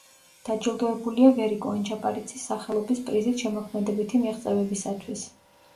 დაჯილდოებულია ვერიკო ანჯაფარიძის სახელობის პრიზით შემოქმედებითი მიღწევებისათვის.